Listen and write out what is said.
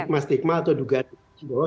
di stigma stigma atau dugaan